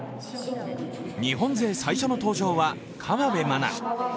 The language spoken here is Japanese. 日本勢最初の登場は河辺愛菜。